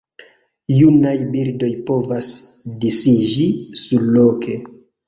Junaj birdoj povas disiĝi surloke.